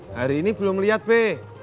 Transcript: hari ini belum liat be